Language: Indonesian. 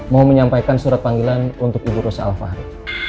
mau menyampaikan surat panggilan untuk ibu rosa alfahri